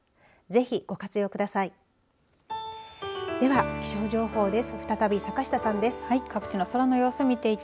ぜひ、ご活用ください。